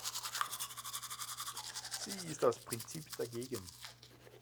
Sie ist aus Prinzip dagegen.